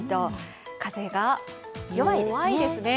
風が弱いですね。